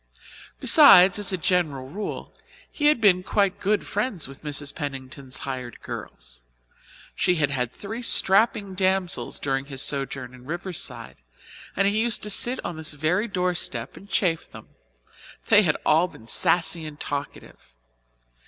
Besides, as a general rule, he had been quite good friends with Mrs. Pennington's hired girls. She had had three strapping damsels during his sojourn in Riverside, and he used to sit on this very doorstep and chaff them. They had all been saucy and talkative.